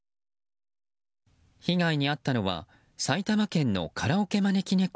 被害に遭ったのは、埼玉県のカラオケまねきねこ